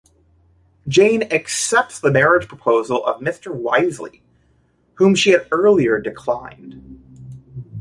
Jane accepts the marriage proposal of Mr. Wisley, whom she had earlier declined.